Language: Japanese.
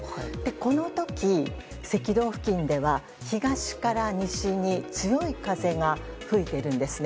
この時、赤道付近では東から西に強い風が吹いているんですね。